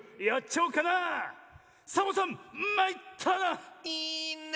ちゃおうかな⁉「サボさんまいったな」！